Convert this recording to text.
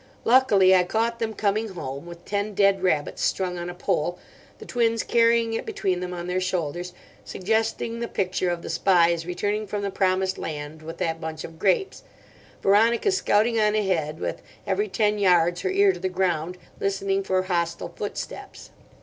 Luckily I caught them coming home—with ten dead rabbits strung on a pole, the twins carrying it between them on their shoulders, suggesting the picture of the spies returning from the promised land with that bunch of grapes—Veronica scouting on ahead with, every ten yards, her ear to the ground, listening for hostile footsteps.